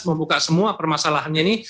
membuka semua permasalahannya ini